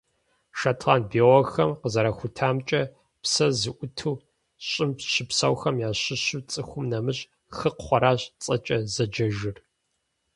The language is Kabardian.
Шотланд биологхэм къызэрахутамкӏэ, псэ зыӏуту Щӏым щыпсэухэм ящыщу цӏыхум нэмыщӏ хыкхъуэращ цӏэкӏэ зэджэжыр.